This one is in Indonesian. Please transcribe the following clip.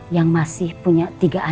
yang masih punya tiga anak